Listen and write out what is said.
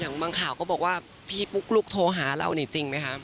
บางข่าวก็บอกว่าพี่ปุ๊กลุ๊กโทรหาเรานี่จริงไหมคะ